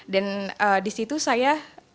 dan di situ saya